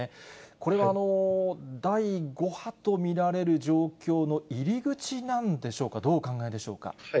これは、第５波と見られる状況の入り口なんでしょうか、どうお考えでしょうか。